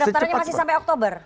pedaftarannya masih sampai oktober